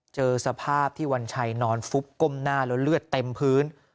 เจอสภาพที่วันชัยนอนฟุบก้มหน้าแล้วเลือดเต็มพื้น